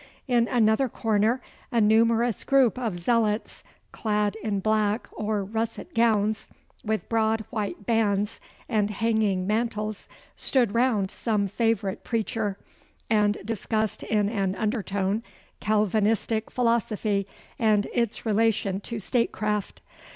In another corner a numerous group of zealots, clad in black or russet gowns, with broad white bands and hanging mantles, stood round some favourite preacher, and discussed in an undertone Calvinistic philosophy and its relation to statecraft.